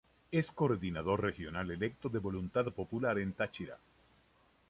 Es Coordinador Regional electo de Voluntad Popular en Táchira.